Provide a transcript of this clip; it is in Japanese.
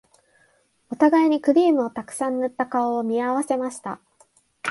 お互いにクリームをたくさん塗った顔を見合わせました